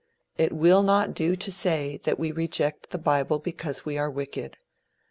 It will not do to say that we reject the bible because we are wicked.